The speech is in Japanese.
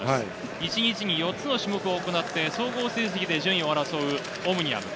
１日に４つの種目を行って総合成績で順位を争うオムニアム。